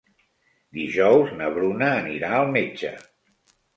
Dijous na Bruna anirà al metge.